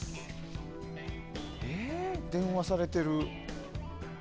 電話されてる。